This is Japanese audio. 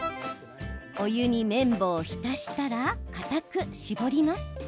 お湯に綿棒を浸したらかたく絞ります。